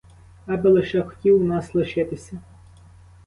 Аби лише хотів у нас лишитися.